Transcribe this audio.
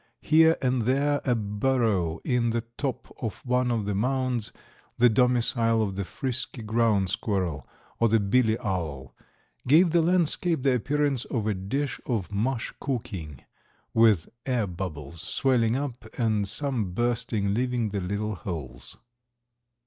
Here and there a burrow in the top of one of the mounds, the domicile of the frisky ground squirrel or the billy owl, gave the landscape the appearance of a dish of mush cooking, with the air bubbles swelling up, and some bursting, leaving the little holes.